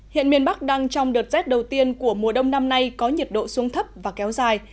hiện miền bắc đang trong đợt rét đầu tiên của mùa đông năm nay có nhiệt độ xuống thấp và kéo dài